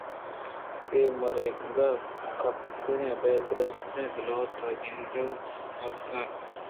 اے مراگہءَ کپیسءَابید درٛستیں دلوتءُ گُنگدام اتکگ اَنت